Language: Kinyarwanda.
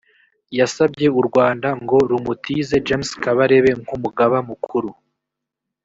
yasabye u rwanda ngo rumutize james kabarebe nk’umugaba mukuru